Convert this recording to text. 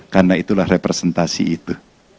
karena itulah representasi itu